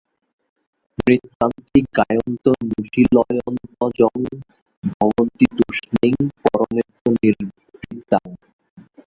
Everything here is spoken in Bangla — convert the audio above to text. নৃত্যান্তি গায়ন্ত্যনুশীলয়ন্ত্যজং ভবন্তি তুষ্ণীং পরমেত্য নির্বৃতাঃ।